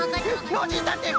ノージーたんてい